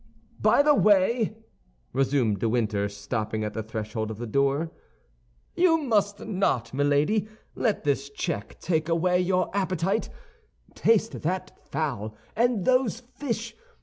"By the way," resumed de Winter, stopping at the threshold of the door, "you must not, Milady, let this check take away your appetite. Taste that fowl and those fish.